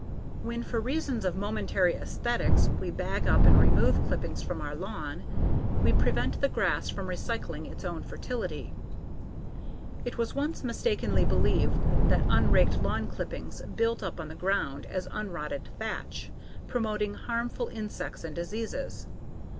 When, for reasons of momentary aesthetics, we bag up and remove clippings from our lawn, we prevent the grass from recycling its own fertility. It was once mistakenly believed that unraked lawn clippings built up on the ground as unrotted thatch, promoting harmful insects and diseases.